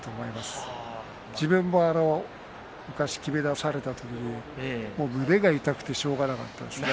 昔も自分きめ出された時に胸が痛くてしょうがなかったですね。